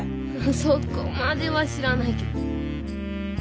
そこまでは知らないけど。